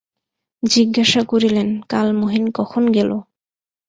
জিজ্ঞাসা করিলেন, কাল মহিন কখন গেল।